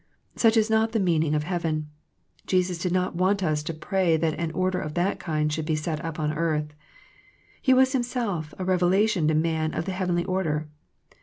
Such is not the meaning of heaven. Jesus did not want us to pray that an order of that kind should be set up on earth. He was Himself a revelation to man of the heavenly order.